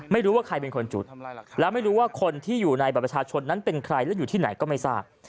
ไม่รู้ว่าใครเป็นคนจุดแล้วไม่รู้ว่าคนที่อยู่ในบัตรประชาชนนั้นเป็นใครและอยู่ที่ไหนก็ไม่ทราบ